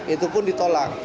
itu pun ditolak